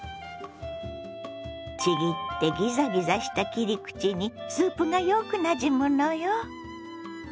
ちぎってギザギザした切り口にスープがよくなじむのよ。